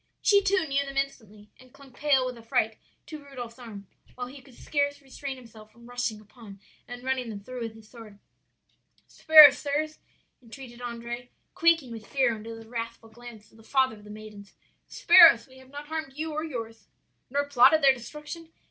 "She too knew them instantly, and clung pale with affright to Rudolph's arm, while he could scarce restrain himself from rushing upon, and running them through with his sword. "'Spare us, sirs,' entreated Andrea, quaking with fear under the wrathful glance of the father of the maidens, 'spare us; we have not harmed you or yours.' "'Nor plotted their destruction?